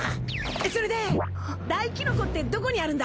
それでダイキノコってどこにあるんだ？